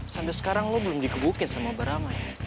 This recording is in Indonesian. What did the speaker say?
sampai sekarang lo belum dikebukin sama barang lain